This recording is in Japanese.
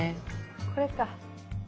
これか。